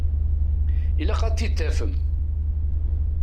Ilaq ad t-id-tafem.